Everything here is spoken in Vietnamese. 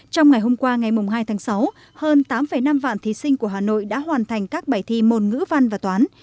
trong ngày hôm qua ngày hai tháng sáu hơn tám năm vạn thí sinh của hà nội đã hoàn thành các bài thi môn ngữ văn và toán